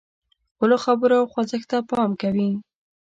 خپلو خبرو او خوځښت ته پام کوي.